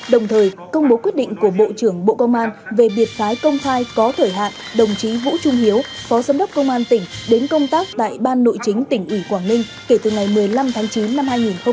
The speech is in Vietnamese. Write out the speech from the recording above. đồng thời công bố quyết định của bộ trưởng bộ công an về biệt phái công khai có thời hạn đồng chí vũ trung hiếu phó giám đốc công an tỉnh đến công tác tại ban nội chính tỉnh ủy quảng ninh kể từ ngày một mươi năm tháng chín năm hai nghìn hai mươi ba